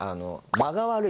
間が悪い。